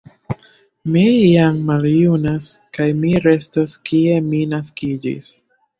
Mi jam maljunas, kaj mi restos kie mi naskiĝis.